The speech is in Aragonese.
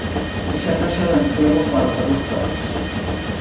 Ixa caixa la emplego pa alzar los cables.